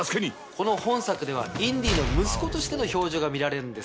この本作ではインディの息子としての表情が見られるんです。